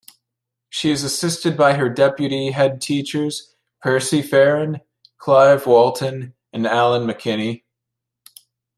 She is assisted by her deputy headteachers Percy Farren, Clive Walton and Alan McKinney.